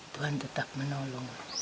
tuhan tetap menolong